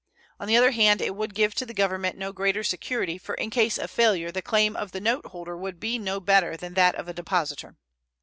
On the other hand, it would give to the Government no greater security, for in case of failure the claim of the note holder would be no better than that of a depositor.